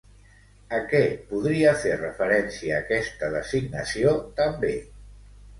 A què podria fer referència aquesta designació, també?